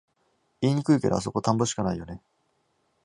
言いにくいけど、あそこ田んぼしかないよね